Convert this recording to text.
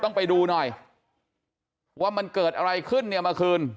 ต้องไปดูหน่อยว่ามันเกิดอะไรขึ้นเนี่ยเมื่อคืน